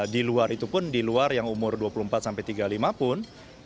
di luar itu pun di luar yang umur dua puluh empat sampai tiga puluh lima pun